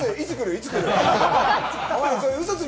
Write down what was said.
いつ来る？